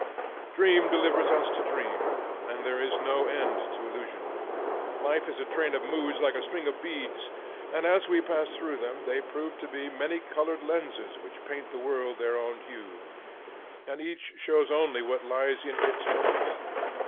Dream delivers us to dream, and there is no end to illusion. Life is a train of moods like a string of beads, and as we pass through them they prove to be many colored lenses which paint the world their own hue, and each shows only what lies in its focus.